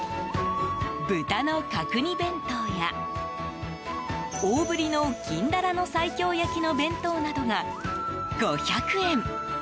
豚の角煮弁当や大ぶりの銀ダラの西京焼きの弁当などが５００円。